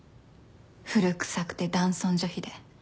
古くさくて男尊女卑で。